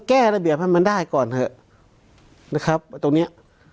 แก้ระเบียบให้มันได้ก่อนตรงนี้